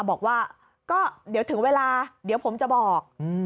บอกว่าก็เดี๋ยวถึงเวลาเดี๋ยวผมจะบอก